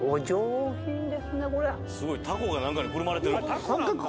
すごいたこが何かにくるまれてる。